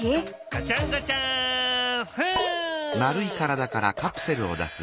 ガチャンガチャンフン！